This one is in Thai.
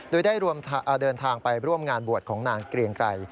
โดยได้เดินทางไปร่วมงานบวชของนางเกรียงไกร